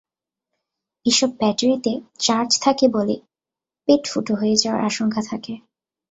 এসব ব্যাটারিতে চার্জ থাকে বলে পেট ফুটো হয়ে যাওয়ার আশঙ্কা থাকে।